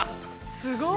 「すごい！」